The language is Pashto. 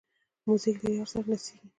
موزیک له یار سره نڅېږي.